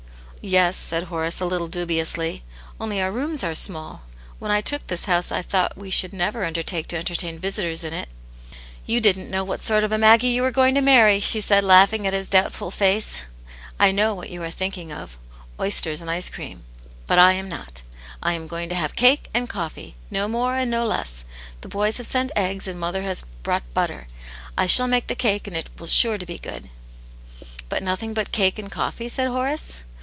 "Yes," said Horace, a little dubiously. '*Only our rooms arc so small. When I took this house, I tlpught we should never undertake to entertain visitors in it." *' You didn't know what sort of a Maggie you were going to marry," she said, laughing at his doubtful face. " I know what you are l\vvtvV\tv^ ol. ^'^'^\i^x^ 142 Atcnt Jane's Hero. and ice cream. But I am not. I am going to have cake and coffee; no more and no less^ The boys have sent eggs, and mother has brought butter ; I shall make the cake, and it will be sure to begopd/V " But nothing but cake and coffee?" said Horace.